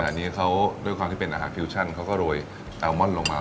อันนี้เขาด้วยความที่เป็นอาหารฟิวชั่นเขาก็โรยแอลมอนลงมา